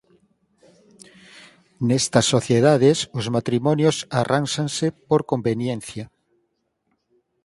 Nestas sociedades os matrimonios arránxanse por conveniencia.